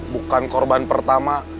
bukan korban pertama